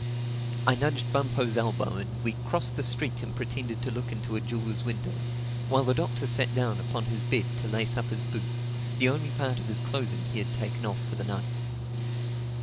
I nudged Bumpo's elbow and we crossed the street and pretended to look into a jeweler's window; while the Doctor sat down upon his bed to lace up his boots, the only part of his clothing he had taken off for the night.